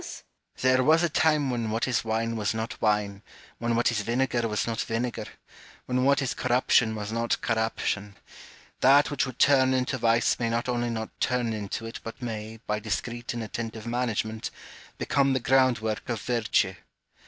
Home. What ! room for vice and wickedness ? Hume. There was a time when what is wine was not wine, when what is vinegar was not vinegar, when what is corruption was not corruption. That which would turn into vice may not only not turn into it, but may, by discreet and attentive management, become the ground work of virtue.